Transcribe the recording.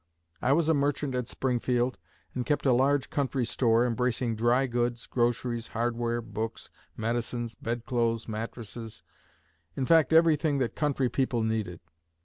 I was a merchant at Springfield, and kept a large country store, embracing dry goods, groceries, hardware, books, medicines, bed clothes, mattresses, in fact, everything that country people needed.